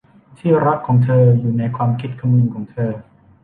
ที่รักของเธออยู่ในความคิดคำนึงของเธอ